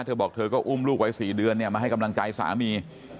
เธอบอกเธอก็อุ้มลูกไว้๔เดือนมาให้กำลังใจสามี